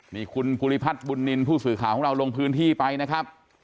นี่คุณภูริพัฒน์บุญนินทร์ผู้สื่อข่าวของเราลงพื้นที่ไปนะครับ